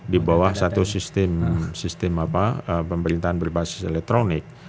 di bawah satu sistem pemerintahan berbasis elektronik